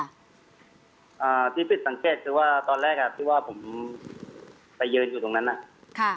อ่าที่ผิดสังเกตคือว่าตอนแรกอ่ะที่ว่าผมไปยืนอยู่ตรงนั้นอ่ะค่ะ